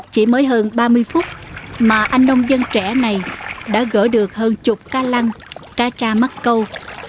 chỉ mới hơn ba mươi phút mà anh nông dân trẻ này đã gỡ được hơn chục cá lăng cá tra mắt câu